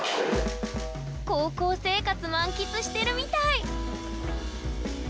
高校生活満喫してるみたい！